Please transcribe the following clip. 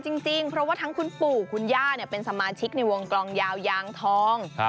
จริงเพราะว่าทั้งคุณปู่คุณย่าเป็นสมาชิกในวงกลองยาวยางทอง